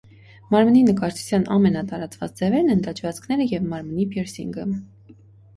Մարմնի նկարչության ամենատարածված ձևերն են դաջվածքները և մարմնի պիրսինգը։